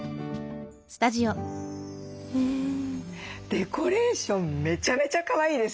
デコレーションめちゃめちゃかわいいですね。